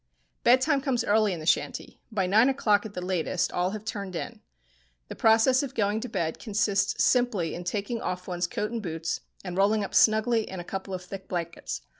Bedtime comes early in the shanty. By nine o'clock, at the latest, all have "turned in." The process of going to bed consists simply in taking off one's coat and boots, and rolling up snugly in a couple of thick blankets.